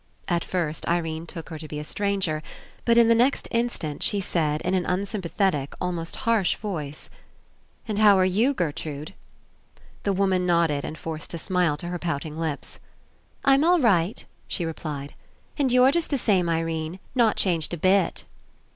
At first Irene took her to be a stranger, but In the next instant she said in an unsympathetic, almost harsh voice: "And how are you, Gertrude?" The woman nodded and forced a smile to her pouting lips. "I'm all right," she replied. "And you're just the same, Irene. Not changed a bit."